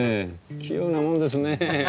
器用なもんですね。